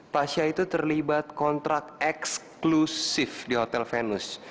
pasya itu terlibat kontrak eksklusif di hotel venus